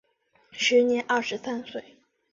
时年二十三岁。